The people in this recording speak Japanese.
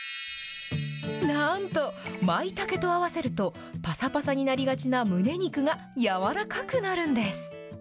なんと、まいたけと合わせると、ぱさぱさになりがちなむね肉が柔らかくなるんです。